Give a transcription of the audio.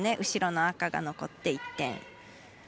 後ろの赤が残って１点。